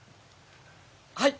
はい。